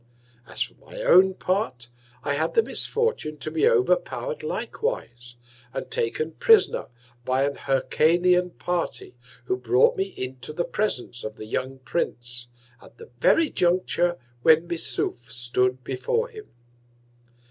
As for my own Part, I had the Misfortune to be over power'd likewise, and taken Prisoner by an Hyrcanian Party, who brought me into the Presence of the young Prince, at the very Juncture when Missouf stood before him.